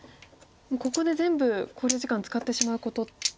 ここで全部考慮時間使ってしまうことありますか？